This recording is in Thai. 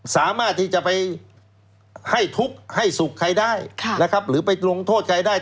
สามารถที่จะไปให้ทุกข์ให้สุขใครได้นะครับหรือไปลงโทษใครได้